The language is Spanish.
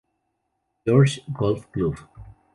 George's Golf Club.